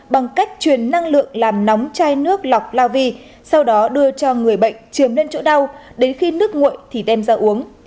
bằng cách truyền năng lượng làm nóng chai nước lọc la vi sau đó đưa cho người bệnh truyền lên chỗ đau đến khi nước nguội thì đem ra uống